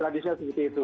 tradisinya seperti itu